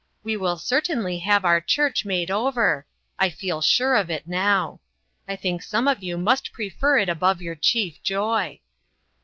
We will certainly have our church made over. I feel sure of it now. I think some of you must prefer it above your chief joy."